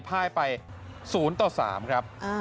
พ่ายไป๐ต่อ๓ครับ